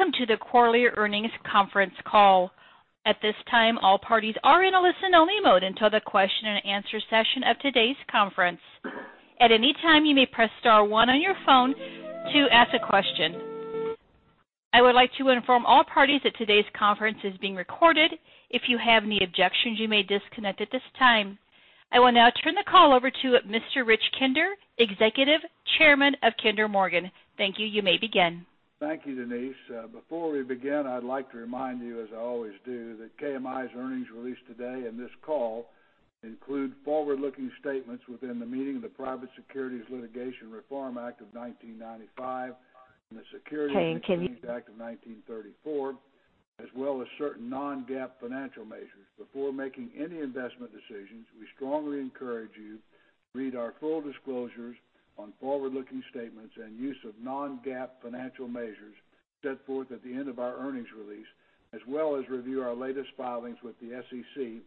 Welcome to the quarterly earnings conference call. At this time, all parties are in a listen-only mode until the question and answer session of today's conference. At any time, you may press star one on your phone to ask a question. I would like to inform all parties that today's conference is being recorded. If you have any objections, you may disconnect at this time. I will now turn the call over to Mr. Rich Kinder, Executive Chairman of Kinder Morgan. Thank you. You may begin. Thank you, Denise. Before we begin, I'd like to remind you, as I always do, that KMI's earnings release today and this call include forward-looking statements within the meaning of the Private Securities Litigation Reform Act of 1995 and the Securities. Kean, can you. Exchange Act of 1934, as well as certain non-GAAP financial measures. Before making any investment decisions, we strongly encourage you to read our full disclosures on forward-looking statements and use of non-GAAP financial measures set forth at the end of our earnings release, as well as review our latest filings with the SEC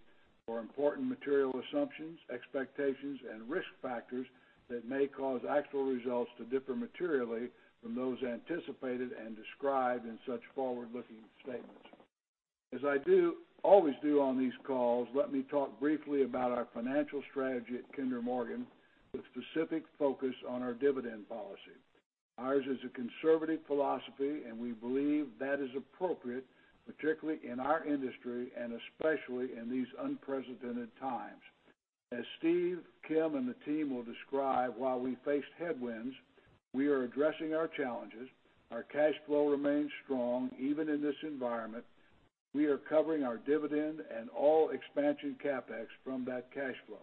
for important material assumptions, expectations, and risk factors that may cause actual results to differ materially from those anticipated and described in such forward-looking statements. As I always do on these calls, let me talk briefly about our financial strategy at Kinder Morgan with specific focus on our dividend policy. Ours is a conservative philosophy, and we believe that is appropriate, particularly in our industry and especially in these unprecedented times. As Steve, Kim, and the team will describe, while we faced headwinds, we are addressing our challenges. Our cash flow remains strong, even in this environment. We are covering our dividend and all expansion CapEx from that cash flow.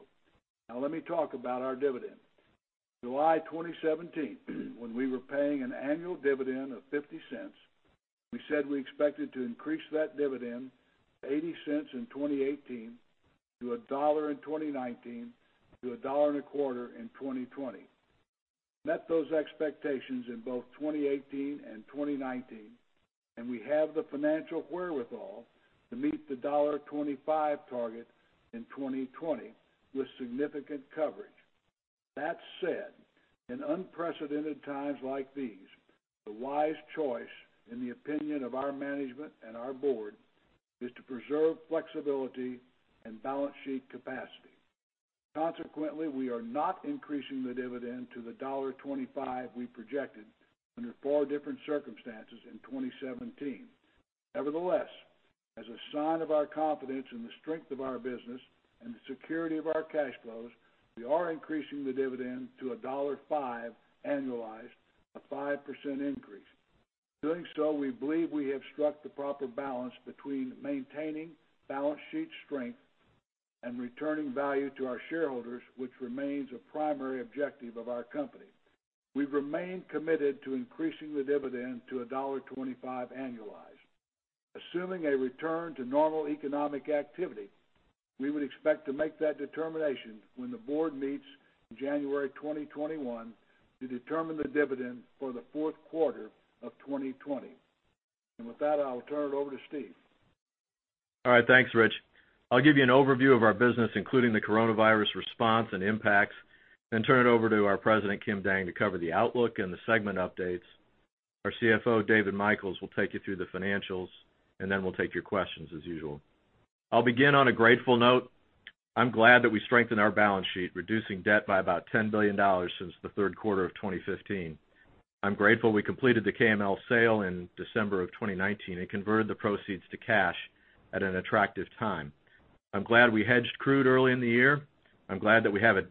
Let me talk about our dividend. July 2017, when we were paying an annual dividend of $0.50, we said we expected to increase that dividend to $0.80 in 2018 to $1.00 in 2019 to $1.25 in 2020. Met those expectations in both 2018 and 2019, and we have the financial wherewithal to meet the $1.25 target in 2020 with significant coverage. That said, in unprecedented times like these, the wise choice in the opinion of our management and our board, is to preserve flexibility and balance sheet capacity. Consequently, we are not increasing the dividend to the $1.25 we projected under four different circumstances in 2017. Nevertheless, as a sign of our confidence in the strength of our business and the security of our cash flows, we are increasing the dividend to a $1.05 annualized, a 5% increase. Doing so, we believe we have struck the proper balance between maintaining balance sheet strength and returning value to our shareholders, which remains a primary objective of our company. We remain committed to increasing the dividend to a $1.25 annualized. Assuming a return to normal economic activity, we would expect to make that determination when the board meets in January 2021 to determine the dividend for the fourth quarter of 2020. With that, I will turn it over to Steve. All right. Thanks, Rich. I'll give you an overview of our business, including the coronavirus response and impacts, then turn it over to our President, Kim Dang, to cover the outlook and the segment updates. Our CFO, David Michels, will take you through the financials, and then we'll take your questions as usual. I'll begin on a grateful note. I'm glad that we strengthened our balance sheet, reducing debt by about $10 billion since the third quarter of 2015. I'm grateful we completed the KML sale in December of 2019 and converted the proceeds to cash at an attractive time. I'm glad we hedged crude early in the year. I'm glad that we have a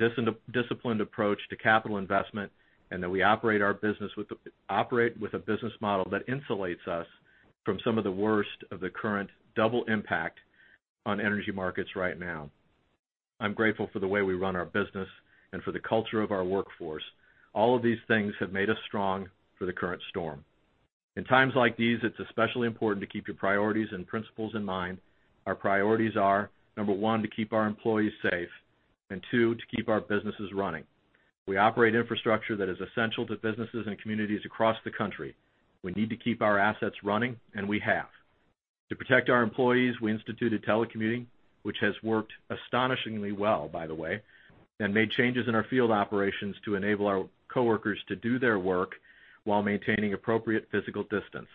disciplined approach to capital investment and that we operate with a business model that insulates us from some of the worst of the current double impact on energy markets right now. I'm grateful for the way we run our business and for the culture of our workforce. All of these things have made us strong for the current storm. In times like these, it's especially important to keep your priorities and principles in mind. Our priorities are, number one, to keep our employees safe, and two, to keep our businesses running. We operate infrastructure that is essential to businesses and communities across the country. We need to keep our assets running, and we have. To protect our employees, we instituted telecommuting, which has worked astonishingly well, by the way, and made changes in our field operations to enable our coworkers to do their work while maintaining appropriate physical distance.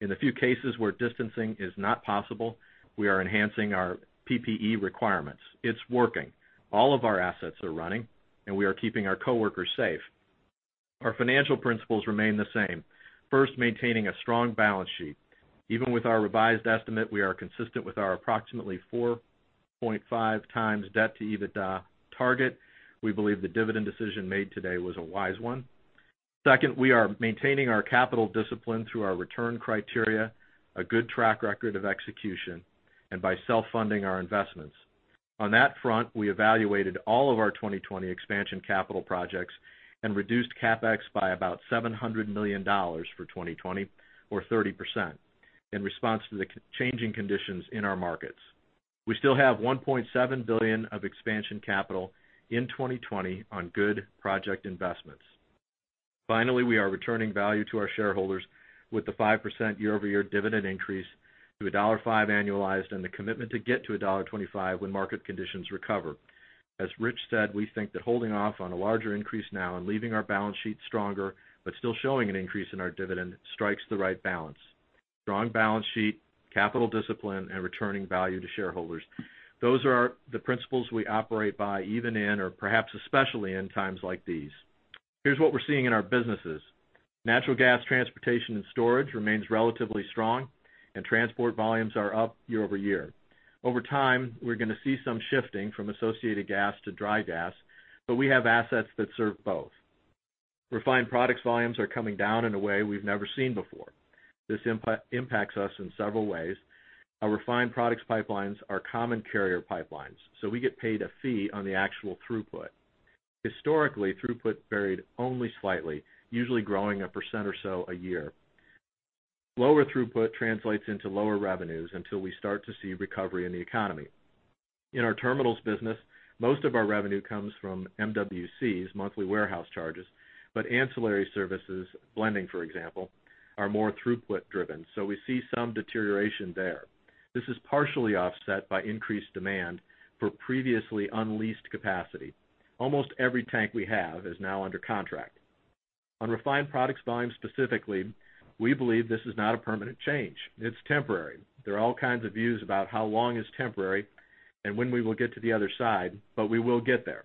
In the few cases where distancing is not possible, we are enhancing our PPE requirements. It's working. All of our assets are running, and we are keeping our coworkers safe. Our financial principles remain the same. First, maintaining a strong balance sheet. Even with our revised estimate, we are consistent with our approximately 4.5 times debt to EBITDA target. We believe the dividend decision made today was a wise one. Second, we are maintaining our capital discipline through our return criteria, a good track record of execution, and by self-funding our investments. On that front, we evaluated all of our 2020 expansion capital projects and reduced CapEx by about $700 million for 2020 or 30% in response to the changing conditions in our markets. We still have $1.7 billion of expansion capital in 2020 on good project investments. Finally, we are returning value to our shareholders with the 5% year-over-year dividend increase to $1.05 annualized and the commitment to get to $1.25 when market conditions recover. As Rich said, we think that holding off on a larger increase now and leaving our balance sheet stronger, but still showing an increase in our dividend strikes the right balance. Strong balance sheet, capital discipline, and returning value to shareholders. Those are the principles we operate by even in, or perhaps especially in times like these. Here's what we're seeing in our businesses. Natural gas transportation and storage remains relatively strong, and transport volumes are up year-over-year. Over time, we're going to see some shifting from associated gas to dry gas, but we have assets that serve both. Refined products volumes are coming down in a way we've never seen before. This impacts us in several ways. Our refined products pipelines are common carrier pipelines, so we get paid a fee on the actual throughput. Historically, throughput varied only slightly, usually growing 1% or so a year. Lower throughput translates into lower revenues until we start to see recovery in the economy. In our terminals business, most of our revenue comes from MWC, monthly warehouse charges. Ancillary services, blending, for example, are more throughput driven. We see some deterioration there. This is partially offset by increased demand for previously unleased capacity. Almost every tank we have is now under contract. On refined products volume specifically, we believe this is not a permanent change. It's temporary. There are all kinds of views about how long is temporary and when we will get to the other side. We will get there.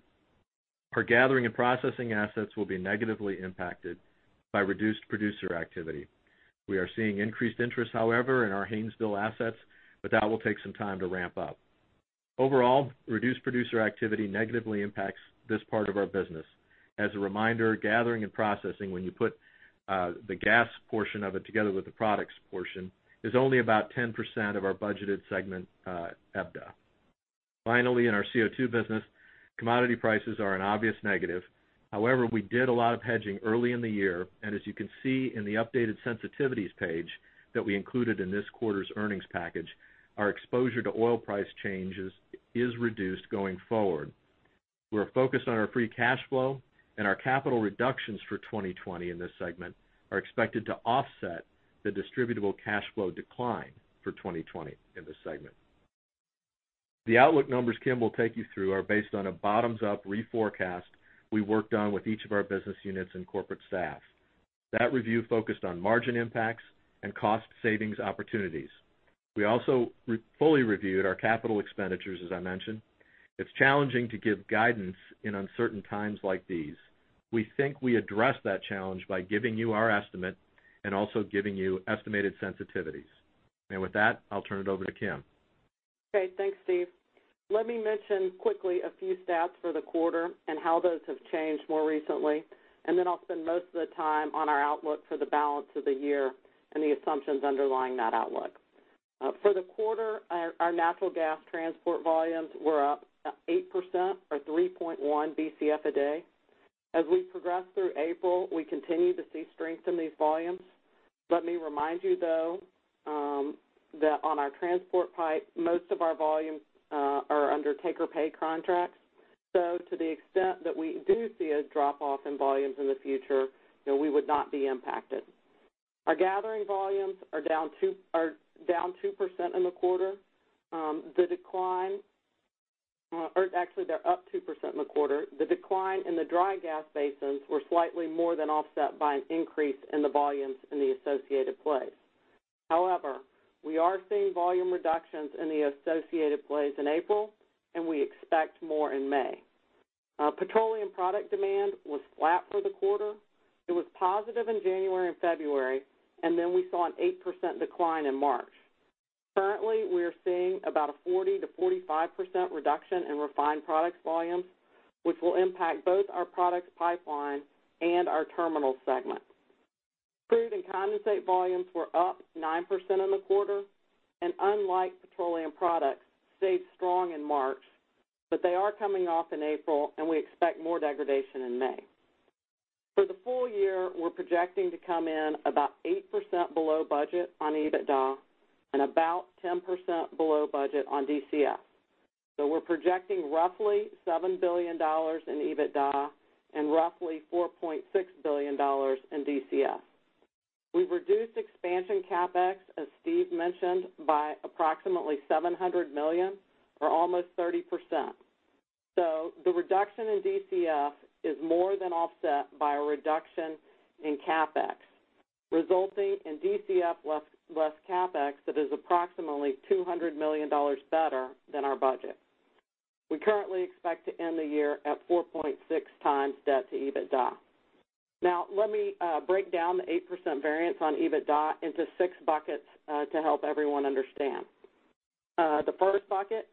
Our Gathering and Processing assets will be negatively impacted by reduced producer activity. We are seeing increased interest, however, in our Haynesville assets. That will take some time to ramp up. Overall, reduced producer activity negatively impacts this part of our business. As a reminder, gathering and processing, when you put the gas portion of it together with the products portion, is only about 10% of our budgeted segment EBITDA. Finally, in our CO2 business, commodity prices are an obvious negative. We did a lot of hedging early in the year, and as you can see in the updated sensitivities page that we included in this quarter's earnings package, our exposure to oil price changes is reduced going forward. We're focused on our free cash flow and our capital reductions for 2020 in this segment are expected to offset the distributable cash flow decline for 2020 in this segment. The outlook numbers Kim will take you through are based on a bottoms-up reforecast we worked on with each of our business units and corporate staff. That review focused on margin impacts and cost savings opportunities. We also fully reviewed our capital expenditures, as I mentioned. It's challenging to give guidance in uncertain times like these. We think we address that challenge by giving you our estimate and also giving you estimated sensitivities. With that, I'll turn it over to Kim. Okay. Thanks, Steve. Let me mention quickly a few stats for the quarter and how those have changed more recently, and then I'll spend most of the time on our outlook for the balance of the year and the assumptions underlying that outlook. For the quarter, our natural gas transport volumes were up 8% or 3.1 BCF a day. As we progress through April, we continue to see strength in these volumes. Let me remind you, though, that on our transport pipe, most of our volumes are under take-or-pay contracts. To the extent that we do see a drop-off in volumes in the future, we would not be impacted. Our gathering volumes are down 2% in the quarter. Actually, they're up 2% in the quarter. The decline in the dry gas basins were slightly more than offset by an increase in the volumes in the associated plays. We are seeing volume reductions in the associated plays in April, and we expect more in May. Petroleum product demand was flat for the quarter. It was positive in January and February, we saw an 8% decline in March. Currently, we're seeing about a 40%-45% reduction in refined products volumes, which will impact both our products pipeline and our terminal segment. Crude and condensate volumes were up 9% in the quarter, unlike petroleum products, stayed strong in March, they are coming off in April, we expect more degradation in May. For the full year, we're projecting to come in about 8% below budget on EBITDA and about 10% below budget on DCF. We're projecting roughly $7 billion in EBITDA and roughly $4.6 billion in DCF. We've reduced expansion CapEx, as Steve mentioned, by approximately $700 million or almost 30%. The reduction in DCF is more than offset by a reduction in CapEx, resulting in DCF less CapEx that is approximately $200 million better than our budget. We currently expect to end the year at 4.6 times debt to EBITDA. Let me break down the 8% variance on EBITDA into six buckets to help everyone understand. The first bucket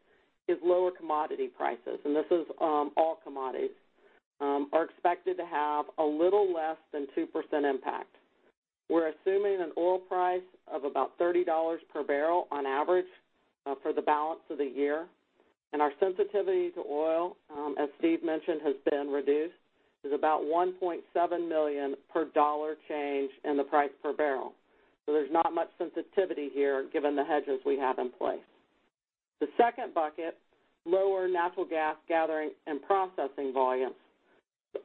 is lower commodity prices, and this is all commodities, are expected to have a little less than 2% impact. We're assuming an oil price of about $30 per bbl on average for the balance of the year. Our sensitivity to oil, as Steve mentioned, has been reduced. It's about 1.7 million per dollar change in the price per barrel. There's not much sensitivity here given the hedges we have in place. The second bucket, lower natural gas gathering and processing volumes,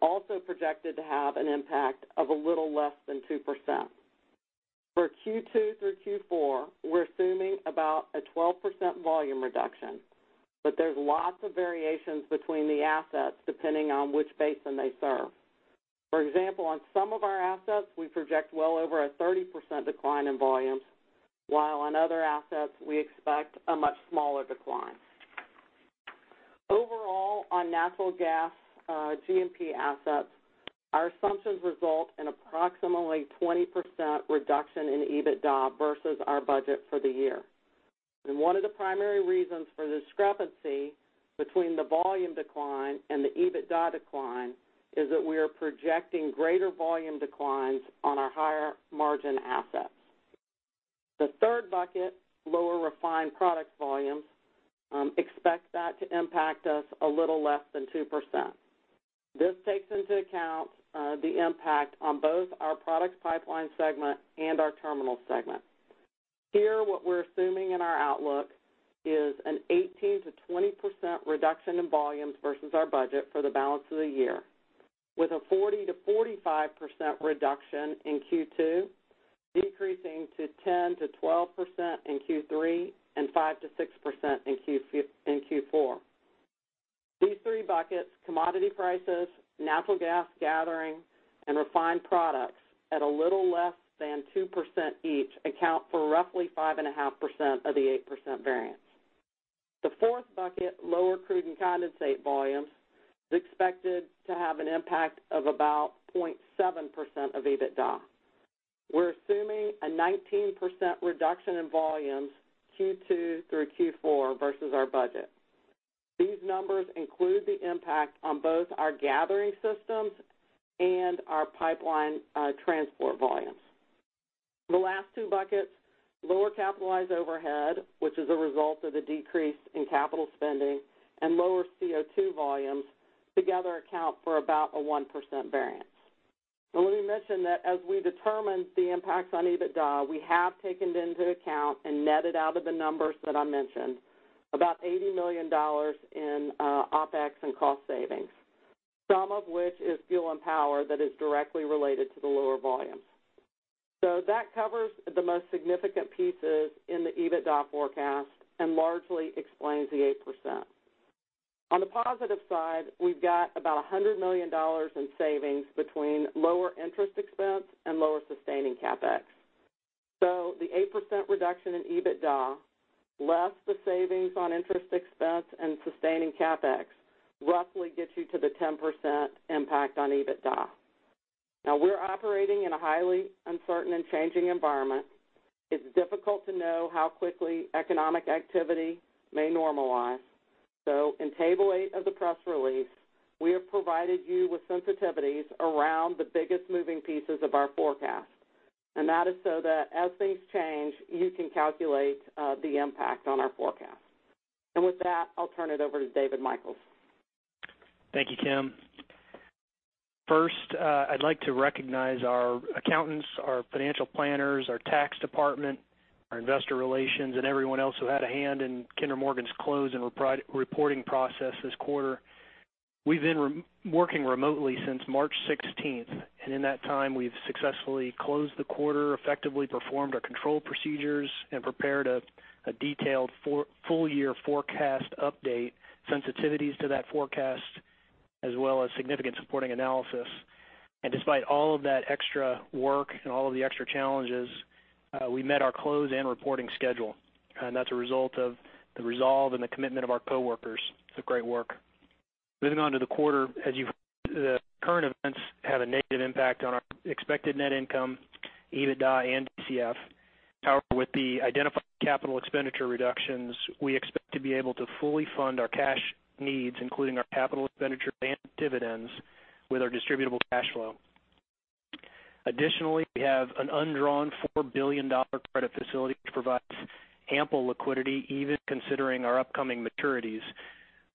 also projected to have an impact of a little less than 2%. For Q2 through Q4, we're assuming about a 12% volume reduction, but there's lots of variations between the assets depending on which basin they serve. For example, on some of our assets, we project well over a 30% decline in volumes, while on other assets we expect a much smaller decline. Overall, on natural gas G&P assets, our assumptions result in approximately 20% reduction in EBITDA versus our budget for the year. One of the primary reasons for the discrepancy between the volume decline and the EBITDA decline is that we are projecting greater volume declines on our higher margin assets. The third bucket, lower refined product volumes, expect that to impact us a little less than 2%. This takes into account the impact on both our products pipeline segment and our terminal segment. Here, what we're assuming in our outlook is an 18%-20% reduction in volumes versus our budget for the balance of the year, with a 40%-45% reduction in Q2, decreasing to 10%-12% in Q3 and 5%-6% in Q4. These three buckets, commodity prices, natural gas gathering, and refined products at a little less than 2% each account for roughly 5.5% of the 8% variance. The fourth bucket, lower crude and condensate volumes, is expected to have an impact of about 0.7% of EBITDA. We're assuming a 19% reduction in volumes Q2 through Q4 versus our budget. These numbers include the impact on both our gathering systems and our pipeline transport volumes. The last two buckets, lower capitalized overhead, which is a result of the decrease in capital spending, and lower CO2 volumes, together account for about a 1% variance. Let me mention that as we determined the impacts on EBITDA, we have taken into account and netted out of the numbers that I mentioned, about $80 million in OpEx and cost savings, some of which is fuel and power that is directly related to the lower volumes. That covers the most significant pieces in the EBITDA forecast and largely explains the 8%. On the positive side, we've got about $100 million in savings between lower interest expense and lower sustaining CapEx. The 8% reduction in EBITDA, less the savings on interest expense and sustaining CapEx roughly gets you to the 10% impact on EBITDA. We're operating in a highly uncertain and changing environment. It's difficult to know how quickly economic activity may normalize. In table eight of the press release, we have provided you with sensitivities around the biggest moving pieces of our forecast, and that is so that as things change, you can calculate the impact on our forecast. With that, I'll turn it over to David Michels. Thank you, Kim. First, I'd like to recognize our accountants, our financial planners, our tax department, our investor relations, and everyone else who had a hand in Kinder Morgan's close and reporting process this quarter. We've been working remotely since March 16th, and in that time, we've successfully closed the quarter, effectively performed our control procedures, and prepared a detailed full-year forecast update, sensitivities to that forecast, as well as significant supporting analysis. Despite all of that extra work and all of the extra challenges, we met our close and reporting schedule. That's a result of the resolve and the commitment of our coworkers. It's great work. Moving on to the quarter, the current events had a negative impact on our expected net income, EBITDA and DCF. However, with the identified capital expenditure reductions, we expect to be able to fully fund our cash needs, including our capital expenditure and dividends, with our distributable cash flow. Additionally, we have an undrawn $4 billion credit facility, which provides ample liquidity, even considering our upcoming maturities.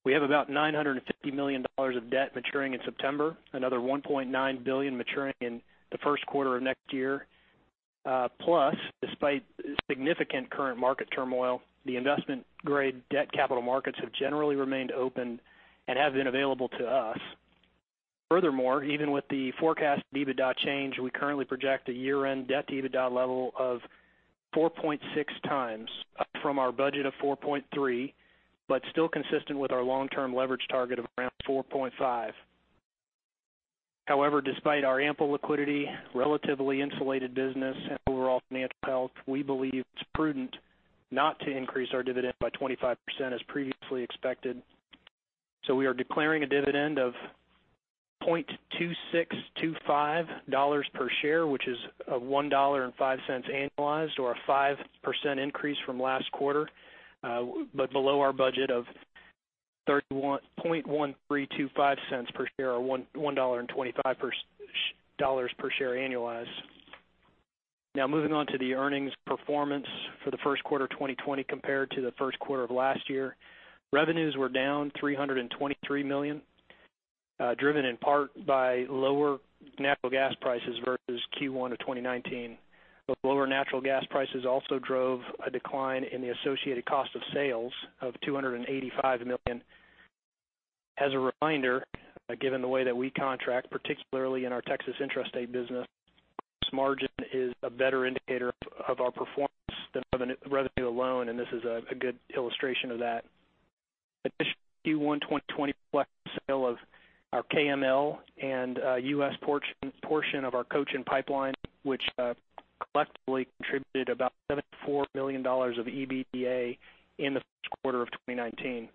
We have about $950 million of debt maturing in September, another $1.9 billion maturing in the first quarter of next year. Plus, despite significant current market turmoil, the investment-grade debt capital markets have generally remained open and have been available to us. Furthermore, even with the forecast EBITDA change, we currently project a year-end debt-to-EBITDA level of 4.6 times, up from our budget of 4.3, but still consistent with our long-term leverage target of around 4.5. However, despite our ample liquidity, relatively insulated business, and overall financial health, we believe it's prudent not to increase our dividend by 25% as previously expected. We are declaring a dividend of $0.2625 per share, which is $1.05 annualized or a 5% increase from last quarter, but below our budget of $1.325 per share or $1.25 per share annualized. Moving on to the earnings performance for the first quarter of 2020 compared to the first quarter of last year. Revenues were down $323 million, driven in part by lower natural gas prices versus Q1 of 2019. Those lower natural gas prices also drove a decline in the associated cost of sales of $285 million. As a reminder, given the way that we contract, particularly in our Texas intrastate business, gross margin is a better indicator of our performance than revenue alone, and this is a good illustration of that. In addition, Q1 2020 reflects the sale of our KML and U.S. portion of our Cochin pipeline, which collectively contributed about $74 million of EBITDA in the first quarter of 2019.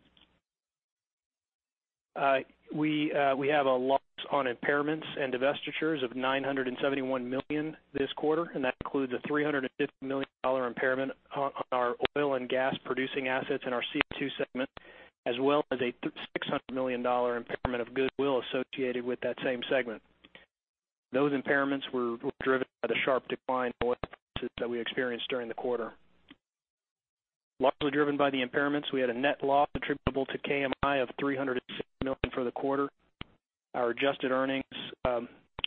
We have a loss on impairments and divestitures of $971 million this quarter. That includes a $350 million impairment on our oil and gas producing assets in our CO2 segment, as well as a $600 million impairment of goodwill associated with that same segment. Those impairments were driven by the sharp decline in oil prices that we experienced during the quarter. Largely driven by the impairments, we had a net loss attributable to KMI of $306 million for the quarter. Our adjusted earnings,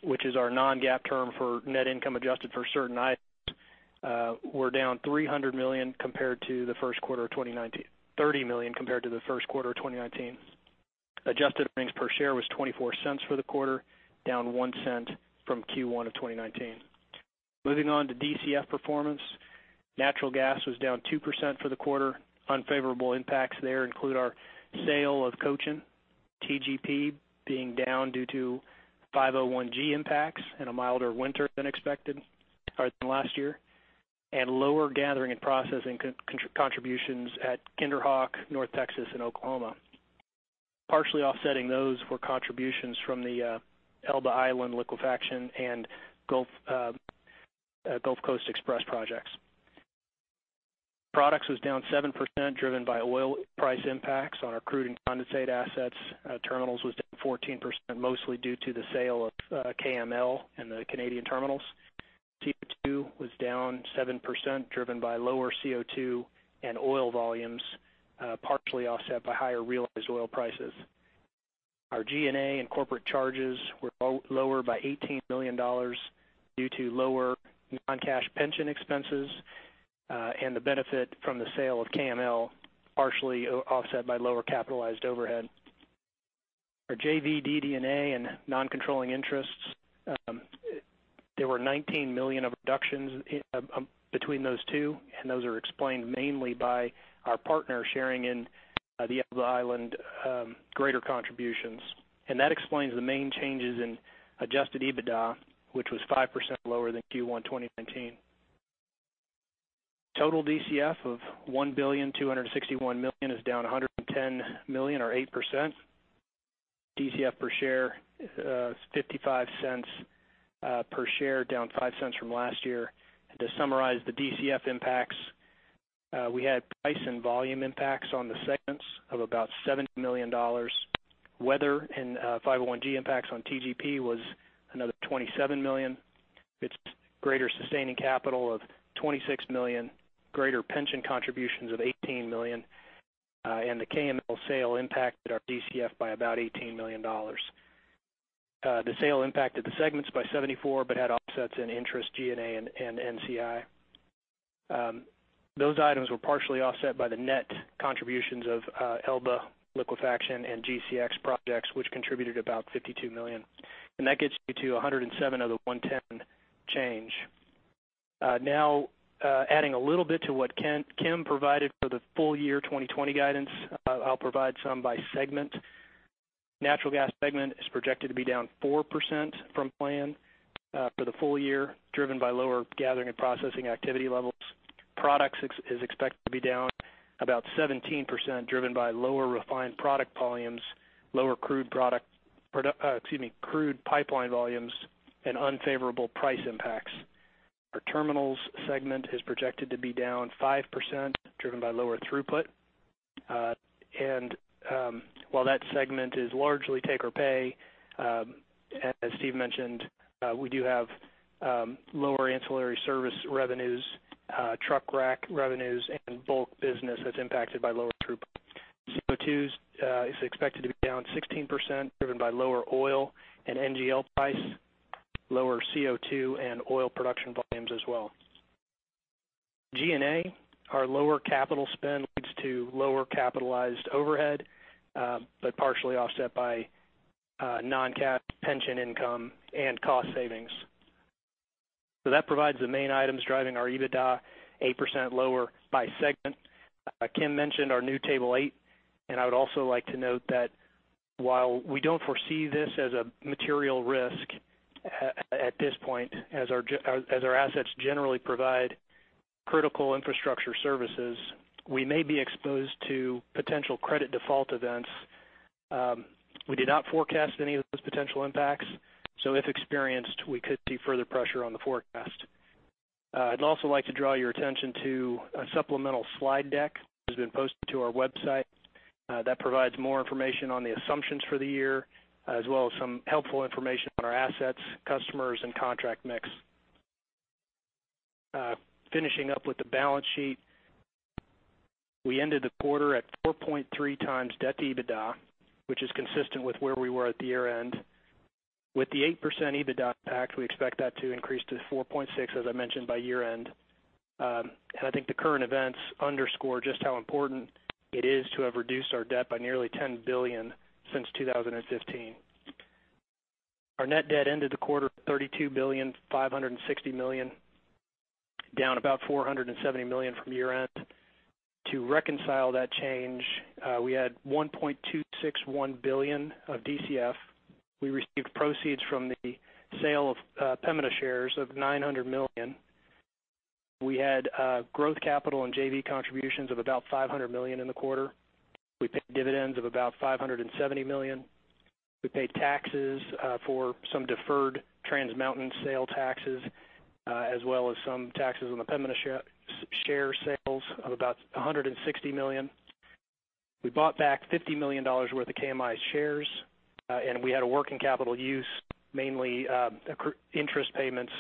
which is our non-GAAP term for net income adjusted for certain items, were down $30 million compared to the first quarter of 2019. Adjusted earnings per share was $0.24 for the quarter, down $0.01 from Q1 of 2019. Moving on to DCF performance. Natural gas was down 2% for the quarter. Unfavorable impacts there include our sale of Cochin, TGP being down due to Form 501-G impacts and a milder winter than expected than last year, and lower gathering and processing contributions at KinderHawk, North Texas, and Oklahoma. Partially offsetting those were contributions from the Elba Island liquefaction and Gulf Coast Express projects. Products was down 7%, driven by oil price impacts on our crude and condensate assets. Terminals was down 14%, mostly due to the sale of KML and the Canadian terminals. CO2 was down 7%, driven by lower CO2 and oil volumes, partially offset by higher realized oil prices. Our G&A and corporate charges were lower by $18 million due to lower non-cash pension expenses and the benefit from the sale of KML, partially offset by lower capitalized overhead. Our JV, DD&A, and non-controlling interests. There were $19 million of reductions between those two, and those are explained mainly by our partner sharing in the Elba Island greater contributions. That explains the main changes in adjusted EBITDA, which was 5% lower than Q1 2019. Total DCF of $1,261,000,000 is down $110 million or 8%. DCF per share is $0.55 per share, down $0.05 from last year. To summarize the DCF impacts, we had price and volume impacts on the segments of about $70 million. Weather and Form 501-G impacts on TGP was another $27 million. It's greater sustaining capital of $26 million, greater pension contributions of $18 million. The KML sale impacted our DCF by about $18 million. The sale impacted the segments by $74 million. It had offsets in interest, G&A, and NCI. Those items were partially offset by the net contributions of Elba liquefaction and GCX projects, which contributed about $52 million. That gets you to $107 million of the $110 million change. Adding a little bit to what Kim provided for the full year 2020 guidance, I'll provide some by segment. Natural Gas segment is projected to be down 4% from plan for the full year, driven by lower gathering and processing activity levels. Products is expected to be down about 17%, driven by lower refined product volumes, lower crude pipeline volumes, and unfavorable price impacts. Our Terminals segment is projected to be down 5%, driven by lower throughput. While that segment is largely take or pay, as Steve mentioned, we do have lower ancillary service revenues, truck rack revenues, and bulk business that's impacted by lower throughput. CO2 is expected to be down 16%, driven by lower oil and NGL price, lower CO2 and oil production volumes as well. G&A, our lower capital spend leads to lower capitalized overhead, but partially offset by non-cash pension income and cost savings. That provides the main items driving our EBITDA 8% lower by segment. Kim mentioned our new Table 8, and I would also like to note that while we don't foresee this as a material risk at this point as our assets generally provide critical infrastructure services, we may be exposed to potential credit default events. We did not forecast any of those potential impacts, so if experienced, we could see further pressure on the forecast. I'd also like to draw your attention to a supplemental slide deck that has been posted to our website that provides more information on the assumptions for the year as well as some helpful information on our assets, customers, and contract mix. Finishing up with the balance sheet. We ended the quarter at 4.3 times debt to EBITDA, which is consistent with where we were at the year-end. With the 8% EBITDA impact, we expect that to increase to 4.6, as I mentioned, by year-end. I think the current events underscore just how important it is to have reduced our debt by nearly $10 billion since 2015. Our net debt ended the quarter at $32.56 billion, down about $470 million from year-end. To reconcile that change, we had $1.261 billion of DCF. We received proceeds from the sale of Pembina shares of $900 million. We had growth capital and JV contributions of about $500 million in the quarter. We paid dividends of about $570 million. We paid taxes for some deferred Trans Mountain sale taxes, as well as some taxes on the Pembina share sales of about $160 million. We bought back $50 million worth of KMI shares. We had a working capital use, mainly interest payments,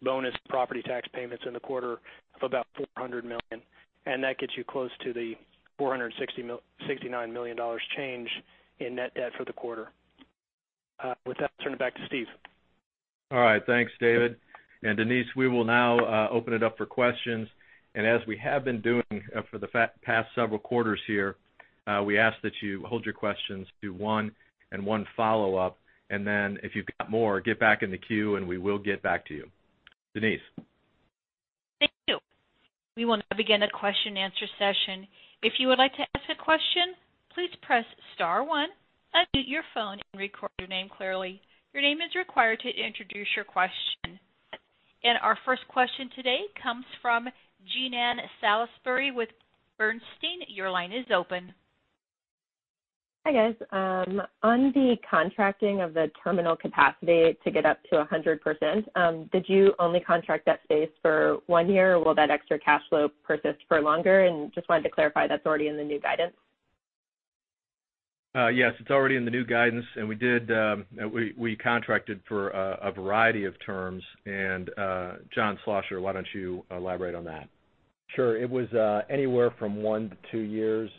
bonus property tax payments in the quarter of about $400 million, and that gets you close to the $469 million change in net debt for the quarter. With that, I'll turn it back to Steve. All right. Thanks, David. Denise, we will now open it up for questions. As we have been doing for the past several quarters here, we ask that you hold your questions to one and one follow-up, and then if you've got more, get back in the queue, and we will get back to you. Denise? Thank you. We will now begin the question and answer session. If you would like to ask a question, please press star one, unmute your phone and record your name clearly. Your name is required to introduce your question. Our first question today comes from Jean Ann Salisbury with Bernstein. Your line is open. Hi, guys. On the contracting of the terminal capacity to get up to 100%, did you only contract that space for one year, or will that extra cash flow persist for longer? Just wanted to clarify that's already in the new guidance. Yes, it's already in the new guidance, we contracted for a variety of terms. John Schlosser, why don't you elaborate on that? Sure. It was anywhere from one to two years.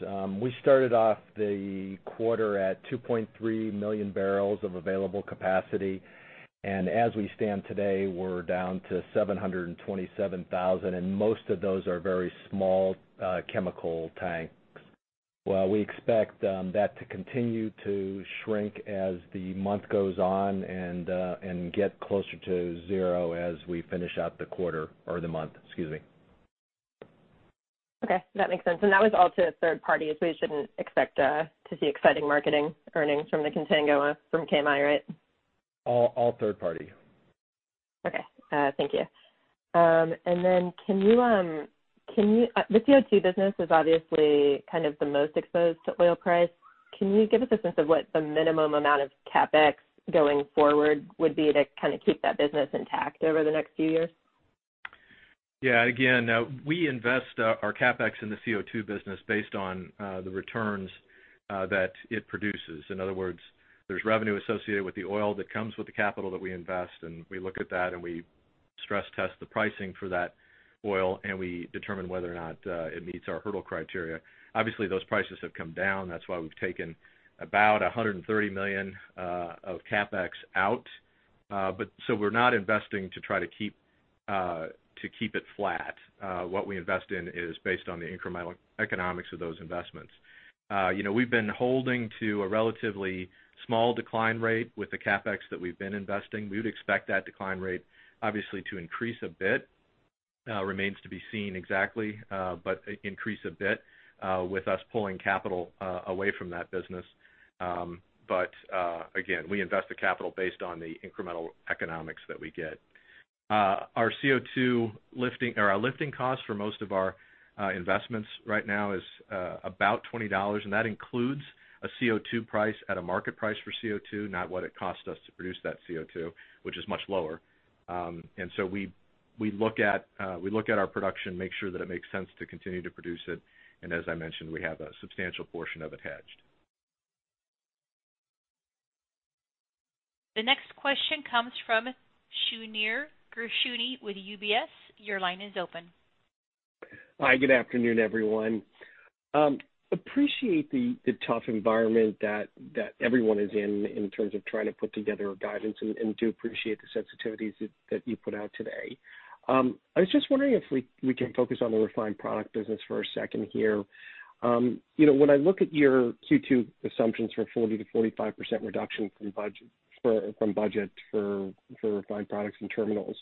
We started off the quarter at 2.3 million bbl of available capacity, and as we stand today, we're down to 727,000, and most of those are very small chemical tanks. We expect that to continue to shrink as the month goes on and get closer to zero as we finish out the quarter, or the month, excuse me. Okay. That makes sense. That was all to third parties. We shouldn't expect to see exciting marketing earnings from the contango from KMI, right? All third party. Okay. Thank you. The CO2 business is obviously kind of the most exposed to oil price. Can you give us a sense of what the minimum amount of CapEx going forward would be to kind of keep that business intact over the next few years? Yeah. Again, we invest our CapEx in the CO2 business based on the returns that it produces. In other words, there's revenue associated with the oil that comes with the capital that we invest, and we look at that, and we stress test the pricing for that oil, and we determine whether or not it meets our hurdle criteria. Obviously, those prices have come down. That's why we've taken about $130 million of CapEx out. We're not investing to try to keep it flat. What we invest in is based on the incremental economics of those investments. We've been holding to a relatively small decline rate with the CapEx that we've been investing. We would expect that decline rate obviously to increase a bit. Remains to be seen exactly, but increase a bit with us pulling capital away from that business. Again, we invest the capital based on the incremental economics that we get. Our lifting costs for most of our investments right now is about $20, and that includes a CO2 price at a market price for CO2, not what it costs us to produce that CO2, which is much lower. We look at our production, make sure that it makes sense to continue to produce it, and as I mentioned, we have a substantial portion of it hedged. The next question comes from Shneur Gershuni with UBS. Your line is open. Hi, good afternoon, everyone. Appreciate the tough environment that everyone is in terms of trying to put together a guidance, and do appreciate the sensitivities that you put out today. I was just wondering if we can focus on the refined product business for a second here. When I look at your Q2 assumptions for 40%-45% reduction from budget for refined products and terminals,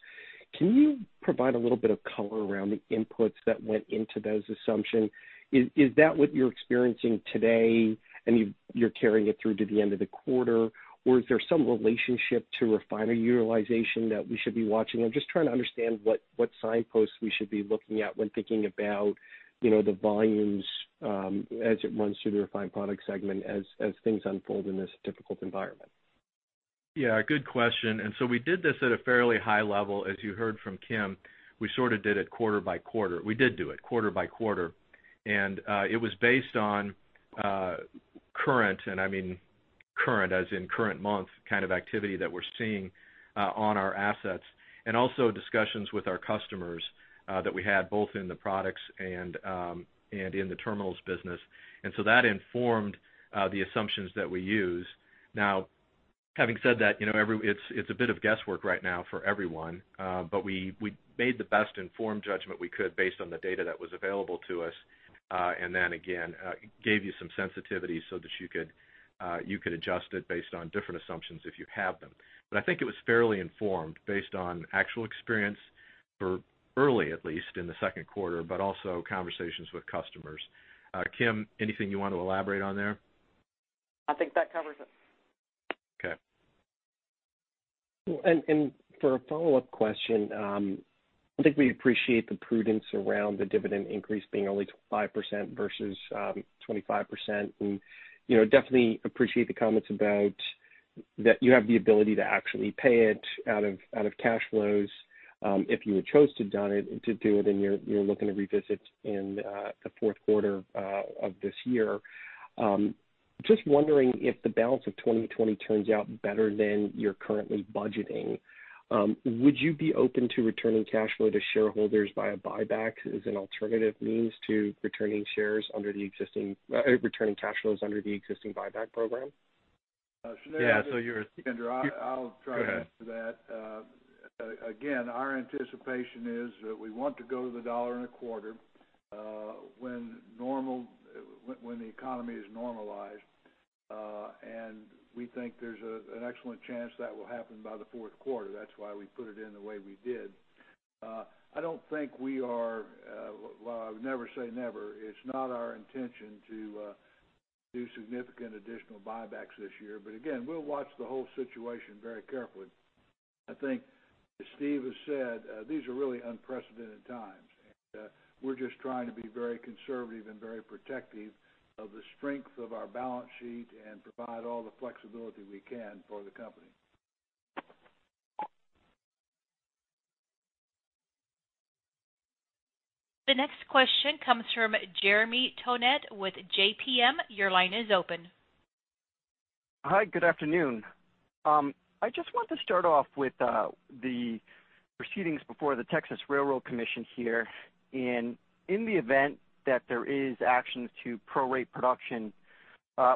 can you provide a little bit of color around the inputs that went into those assumptions? Is that what you're experiencing today and you're carrying it through to the end of the quarter? Is there some relationship to refiner utilization that we should be watching? I'm just trying to understand what signposts we should be looking at when thinking about the volumes as it runs through the refined products segment as things unfold in this difficult environment. Yeah. Good question. We did this at a fairly high level. As you heard from Kim, we sort of did it quarter by quarter. We did do it quarter by quarter. It was based on current, and I mean, current month kind of activity that we're seeing on our assets, and also discussions with our customers that we had both in the products and in the terminals business. That informed the assumptions that we use. Now, having said that, it's a bit of guesswork right now for everyone. We made the best informed judgment we could based on the data that was available to us, and then again, gave you some sensitivity so that you could adjust it based on different assumptions if you have them. I think it was fairly informed based on actual experience for early, at least in the second quarter, but also conversations with customers. Kim, anything you want to elaborate on there? I think that covers it. Okay. For a follow-up question, I think we appreciate the prudence around the dividend increase being only 5% versus 25%. Definitely appreciate the comments about that you have the ability to actually pay it out of cash flows if you had chose to do it, and you're looking to revisit in the fourth quarter of this year. Just wondering if the balance of 2020 turns out better than you're currently budgeting, would you be open to returning cash flow to shareholders via buyback as an alternative means to returning cash flows under the existing buyback program? Yeah. Yeah. I'll try to answer that. Go ahead. Our anticipation is that we want to go to the dollar and a quarter when the economy is normalized. We think there's an excellent chance that will happen by the fourth quarter. That's why we put it in the way we did. I don't think we, well, never say never. It's not our intention to do significant additional buybacks this year. Again, we'll watch the whole situation very carefully. I think as Steve has said, these are really unprecedented times, and we're just trying to be very conservative and very protective of the strength of our balance sheet and provide all the flexibility we can for the company. The next question comes from Jeremy Tonet with JPM. Your line is open. Hi, good afternoon. I just want to start off with the proceedings before the Railroad Commission of Texas here. In the event that there is actions to prorate production,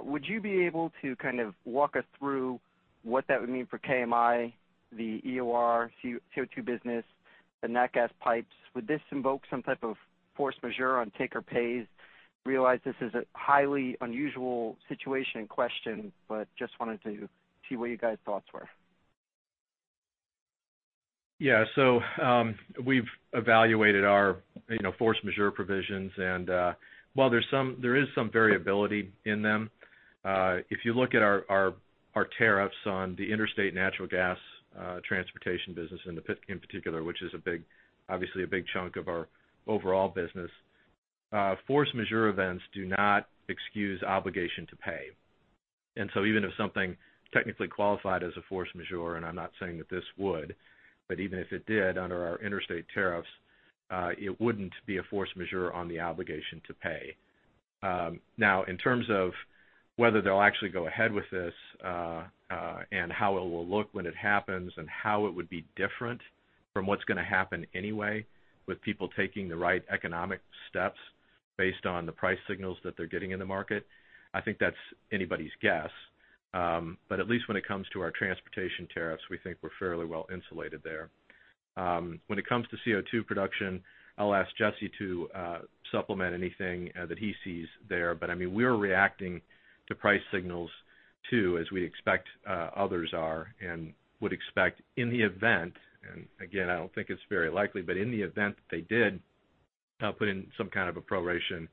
would you be able to kind of walk us through what that would mean for KMI, the EOR CO2 business, the nat-gas pipes? Would this invoke some type of force majeure on take or pays? Realize this is a highly unusual situation in question, but just wanted to see what your guys' thoughts were. Yeah. We've evaluated our force majeure provisions, and while there is some variability in them, if you look at our tariffs on the interstate natural gas transportation business in particular, which is obviously a big chunk of our overall business, force majeure events do not excuse obligation to pay. Even if something technically qualified as a force majeure, and I'm not saying that this would, but even if it did under our interstate tariffs, it wouldn't be a force majeure on the obligation to pay. In terms of whether they'll actually go ahead with this, and how it will look when it happens, and how it would be different from what's going to happen anyway with people taking the right economic steps based on the price signals that they're getting in the market, I think that's anybody's guess. At least when it comes to our transportation tariffs, we think we're fairly well insulated there. When it comes to CO2 production, I'll ask Jesse to supplement anything that he sees there. We are reacting to price signals too, as we expect others are, and would expect in the event, and again, I don't think it's very likely, but in the event that they did put in some kind of a proration,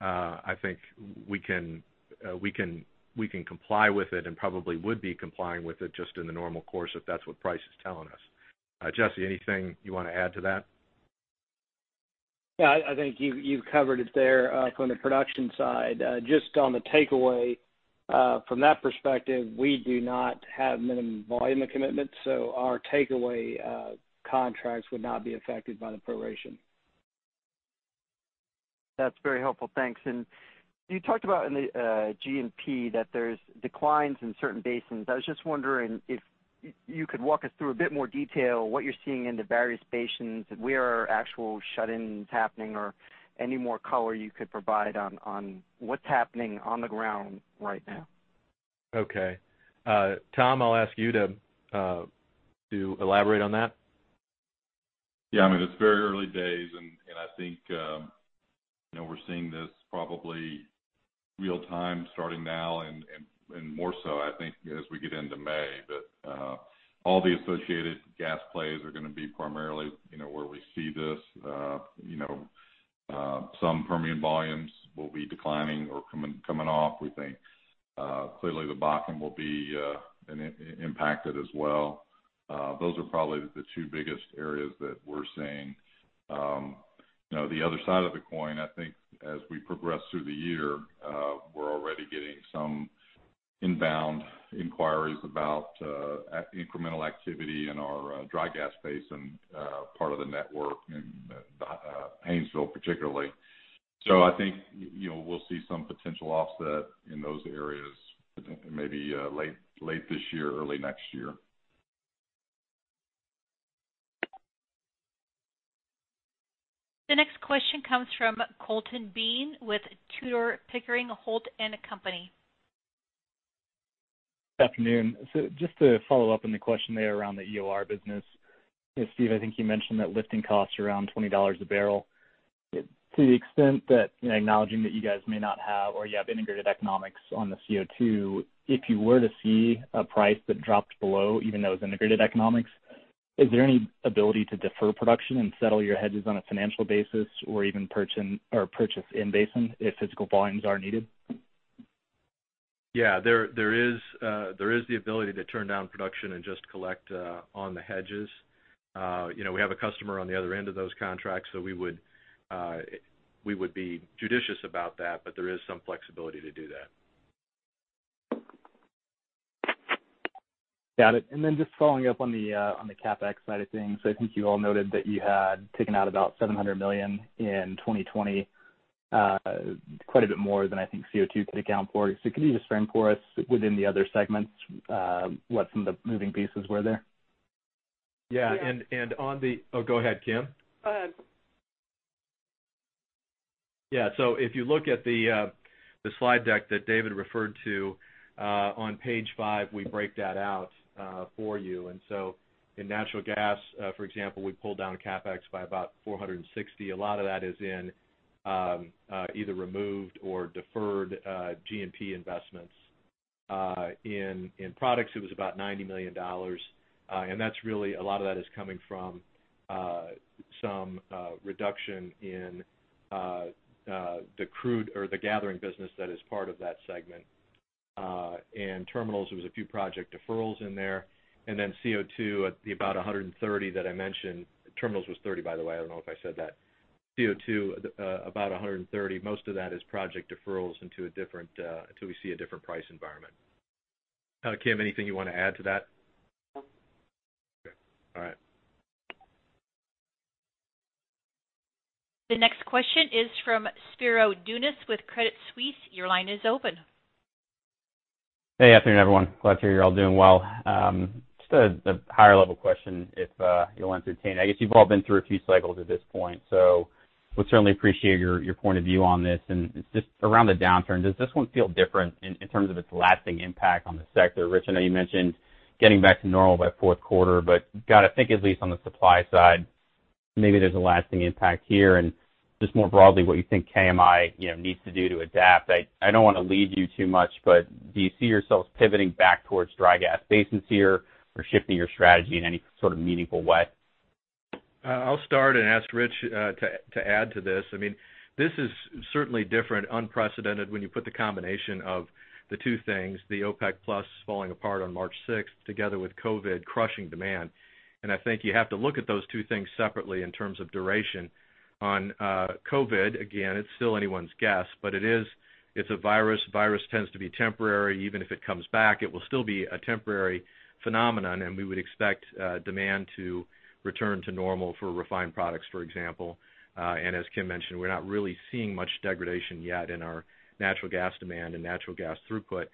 I think we can comply with it and probably would be complying with it just in the normal course if that's what price is telling us. Jesse, anything you want to add to that? Yeah, I think you've covered it there from the production side. Just on the takeaway from that perspective, we do not have minimum volume of commitments. Our takeaway contracts would not be affected by the proration. That's very helpful. Thanks. You talked about in the G&P that there's declines in certain basins. I was just wondering if you could walk us through a bit more detail what you're seeing in the various basins, where are actual shut-ins happening, or any more color you could provide on what's happening on the ground right now. Okay. Tom, I'll ask you to elaborate on that. Yeah, it's very early days, and I think we're seeing this probably real time starting now and more so I think as we get into May. All the associated gas plays are going to be primarily where we see this. Some Permian volumes will be declining or coming off. We think clearly the Bakken will be impacted as well. Those are probably the two biggest areas that we're seeing. The other side of the coin, I think as we progress through the year, we're already getting some inbound inquiries about incremental activity in our dry gas basin part of the network in Haynesville particularly. I think we'll see some potential offset in those areas maybe late this year, early next year. The next question comes from Colton Bean with Tudor, Pickering, Holt & Company. Good afternoon. Just to follow up on the question there around the EOR business. Steve, I think you mentioned that lifting costs around $20 a bbl. To the extent that, acknowledging that you guys may not have or you have integrated economics on the CO2, if you were to see a price that dropped below even those integrated economics, is there any ability to defer production and settle your hedges on a financial basis or even purchase in basin if physical volumes are needed? Yeah. There is the ability to turn down production and just collect on the hedges. We have a customer on the other end of those contracts, so we would be judicious about that, but there is some flexibility to do that. Got it. Just following up on the CapEx side of things. I think you all noted that you had taken out about $700 million in 2020, quite a bit more than I think CO2 could account for. Could you just frame for us within the other segments, what some of the moving pieces were there? Yeah. Oh, go ahead, Kim. Go ahead. Yeah. If you look at the slide deck that David referred to, on page five, we break that out for you. In natural gas, for example, we pulled down CapEx by about $460. A lot of that is in either removed or deferred G&P investments. In products, it was about $90 million. A lot of that is coming from some reduction in the crude or the gathering business that is part of that segment. Terminals, there was a few project deferrals in there, and then CO2 at the about $130 that I mentioned. Terminals was $30, by the way. I don't know if I said that. CO2, about $130. Most of that is project deferrals until we see a different price environment. Kim, anything you want to add to that? No. Okay. All right. The next question is from Spiro Dounis with Credit Suisse. Your line is open. Hey, afternoon everyone. Glad to hear you're all doing well. Just a higher-level question, if you'll entertain. I guess you've all been through a few cycles at this point, so would certainly appreciate your point of view on this, and it's just around the downturn. Does this one feel different in terms of its lasting impact on the sector? Rich, I know you mentioned getting back to normal by fourth quarter, but got to think at least on the supply side, maybe there's a lasting impact here. Just more broadly, what you think KMI needs to do to adapt. I don't want to lead you too much, but do you see yourselves pivoting back towards dry gas basins here or shifting your strategy in any sort of meaningful way? I'll start and ask Rich to add to this. This is certainly different, unprecedented when you put the combination of the two things, the OPEC plus falling apart on March 6th together with COVID crushing demand. I think you have to look at those two things separately in terms of duration. On COVID, again, it's still anyone's guess, but it's a virus. Virus tends to be temporary. Even if it comes back, it will still be a temporary phenomenon, and we would expect demand to return to normal for refined products, for example. As Kim mentioned, we're not really seeing much degradation yet in our natural gas demand and natural gas throughput.